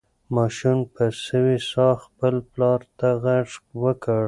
ماشوم په سوې ساه خپل پلار ته غږ وکړ.